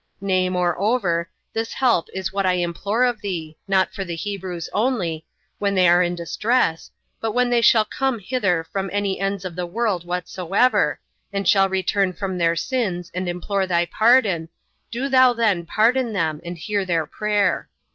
Nay, moreover, this help is what I implore of thee, not for the Hebrews only, when they are in distress, but when any shall come hither from any ends of the world whatsoever, and shall return from their sins and implore thy pardon, do thou then pardon them, and hear their prayer.